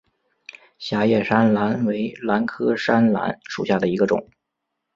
狭叶山兰为兰科山兰属下的一个种。